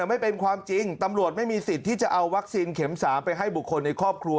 ไม่เป็นความจริงตำรวจไม่มีสิทธิ์ที่จะเอาวัคซีนเข็ม๓ไปให้บุคคลในครอบครัว